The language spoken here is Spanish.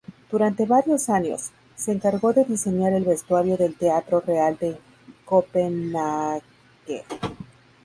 Durante varios años, se encargó de diseñar el vestuario del Teatro Real de Copenhague.